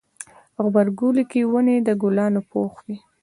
غبرګولی کې ونې د ګلانو پوښ وي.